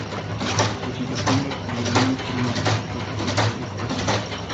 Sus intercambios con Delilah informan el proceso por el cual se desarrolla su relación.